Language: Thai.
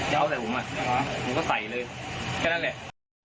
เอาใส่ผมอ่ะผมก็ใส่เลยแค่นั้นแหละ